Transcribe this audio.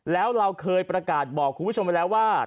แล้วเราเคยประกาศบอกคุณผู้ชมไปแล้วว่า